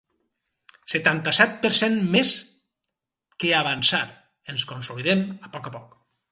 Setanta-set per cent Més que avançar, ens consolidem a poc a poc.